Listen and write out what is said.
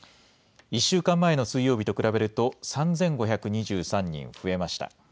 １週間前の水曜日と比べると、３５２３人増えました。